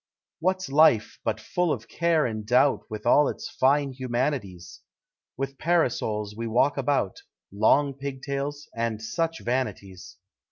What's life but full of care and doubt With all its fine humanities, With parasols we walk about, Long pigtails, and such vanities.